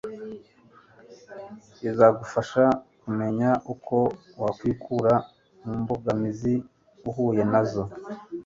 izagufasha kumenya uko wakwikura mu mbogamizi uhuye na zo